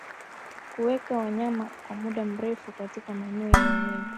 Kuweka wanyama kwa muda mrefu katika maeneo yenye unyevu